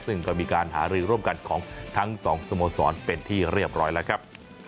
ซึ่งก็มีการหารือร่วมกันของทั้งสองสโมสรเป็นที่เรียบร้อยแล้วครับ